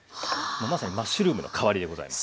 まさにマッシュルームの代わりでございます。